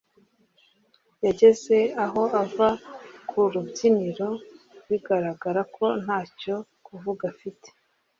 yageze aho ava ku rubyiniro bigaragara ko ntacyo kuvuga agifite